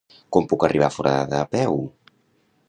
Com puc arribar a Foradada a peu?